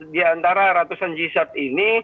di antara ratusan g sert ini